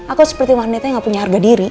aku seperti wanita yang gak punya harga diri